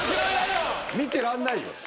見てらんないよ。